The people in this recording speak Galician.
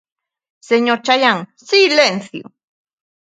Señor Chaián, ¡silencio!